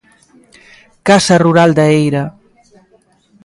Casa rural da Eira.